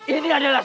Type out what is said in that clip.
ini adalah sebuah